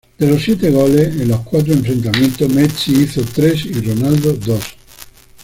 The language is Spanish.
De los siete goles en los cuatro enfrentamientos, Messi hizo tres y Ronaldo dos.